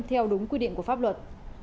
theo đúng quy định của pháp luật